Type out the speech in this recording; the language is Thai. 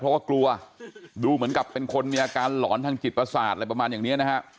เพราะว่ากลัวดูเหมือนกับเป็นคนมีอาการหลอนทางจิตประสาทอะไรประมาณอย่างนี้นะฮะ